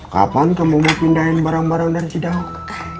kapan kamu mau pindahin barang barang dari sidang